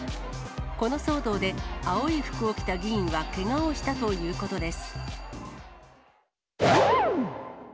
この騒動で、青い服を着た議員はけがをしたということです。